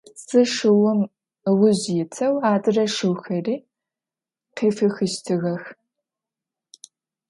Zı şşıum ıujj yiteu adre şşıuxeri khêfexıştığex.